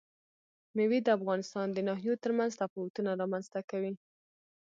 مېوې د افغانستان د ناحیو ترمنځ تفاوتونه رامنځ ته کوي.